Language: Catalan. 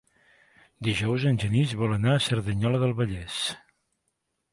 Dijous en Genís vol anar a Cerdanyola del Vallès.